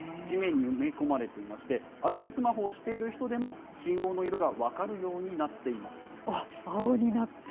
地面に埋め込まれていまして、歩きスマホをしている人でも、信号の色が分かるようになっています。